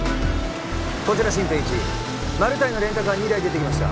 こちらシンペン１マルタイのレンタカー２台出てきました